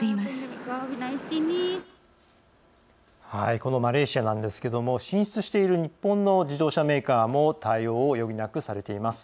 このマレーシアなんですが進出している日本の自動車メーカーも対応を余儀なくされています。